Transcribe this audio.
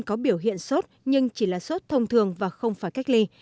có biểu hiện sốt nhưng chỉ là sốt thông thường và không phải cách ly